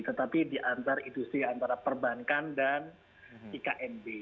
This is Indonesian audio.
tetapi di antar industri antara perbankan dan iknb